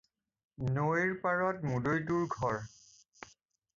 নৈৰ পাৰত মুদৈটোৰ ঘৰ।